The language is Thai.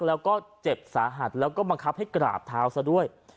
แล้วก็เจ็บสาหัสแล้วก็บังคับให้กราบเท้าซะด้วย